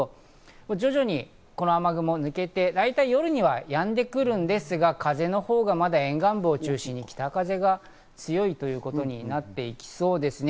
徐々にこの雨雲が抜けて、大体夜にはやんでくるんですが、風のほうがまだ沿岸部を中心に北風が強いということになっていきそうですね。